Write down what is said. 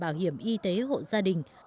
bảo hiểm y tế hộ gia đình